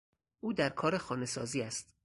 او در کار خانه سازی است.